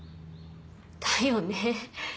だよね。